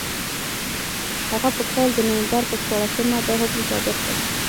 هغه په کال د نومبر په شپاړسمه دا حکم صادر کړ.